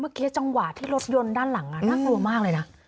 จังหวะที่รถยนต์ด้านหลังน่ากลัวมากเลยนะ